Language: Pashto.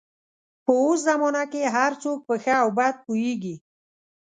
په اوس زمانه کې هر څوک په ښه او بده پوهېږي